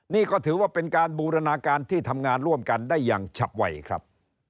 นี่ก็ถือว่าเป็นการบูรณาการที่ทำงานร่วมกันได้อย่างฉับไวครับ